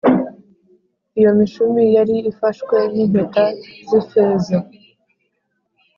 Iyo mishumi yari ifashwe n’impeta z’ifeza